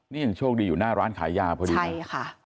นี่ยังโชคดีอยู่หน้าร้านขายยาพอดีใช่ค่ะ